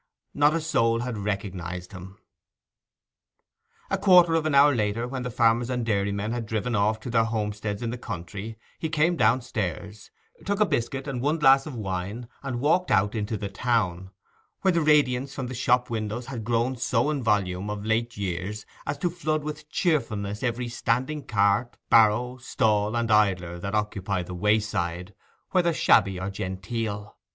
Not a soul had recognized him. A quarter of an hour later, when the farmers and dairymen had driven off to their homesteads in the country, he came downstairs, took a biscuit and one glass of wine, and walked out into the town, where the radiance from the shop windows had grown so in volume of late years as to flood with cheerfulness every standing cart, barrow, stall, and idler that occupied the wayside, whether shabby or genteel.